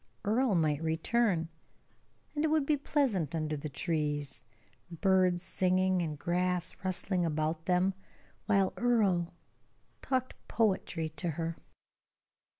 Earle might return, and it would be pleasant under the trees, birds singing and grass rustling about them, while Earle talked poetry to her.